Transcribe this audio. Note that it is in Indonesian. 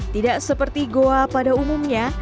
tidak seperti goa pada umumnya